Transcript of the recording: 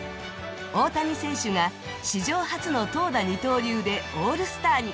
大谷選手が史上初の投打二刀流でオールスターに。